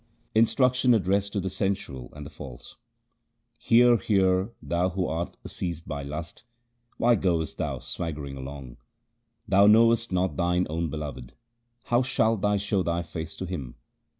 Instruction addressed to the sensual and the false :— Hear, hear, thou who art seized by lust, why goest thou swaggering along ? Thou knowest not thine own Beloved ; how shalt thou show thy face to Him